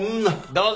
どうぞ。